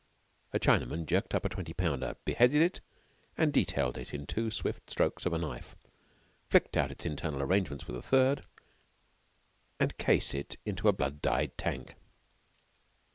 A Chinaman jerked up a twenty pounder, beheaded and detailed it with two swift strokes of a knife, flicked out its internal arrangements with a third, and case it into a blood dyed tank.